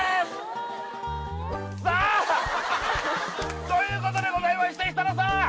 さあということでございまして設楽さん